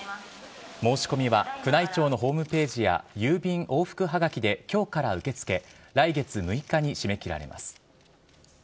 申し込みは宮内庁のホームページや、郵便往復はがきできょうから受け付け、来月６日に締め切られます。